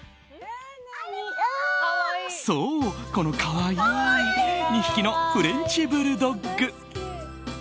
そう、この可愛い２匹のフレンチブルドッグ。